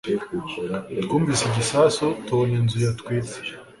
twumvise igisasu tubona inzu yatwitse